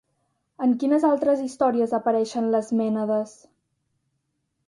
En quines altres històries apareixen les mènades?